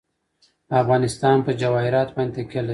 افغانستان په جواهرات باندې تکیه لري.